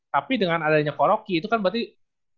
tapi dengan adanya ko rocky itu kan berarti istilahnya matanya